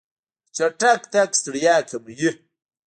چټک تګ ستړیا کموي.